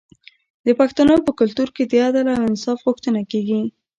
د پښتنو په کلتور کې د عدل او انصاف غوښتنه کیږي.